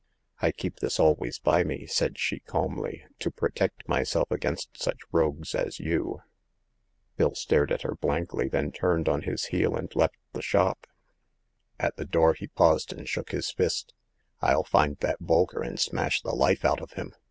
I keep this always by me," said she, calmly, to protect myself against such rogues as you !*' Bill stared at her blankly, then turned on his heel and left the shop. At the door he paused and shook his fist. " rU find that Bolker, and smash the life out of him